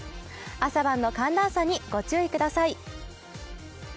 朝晩の寒暖差にご注意ください。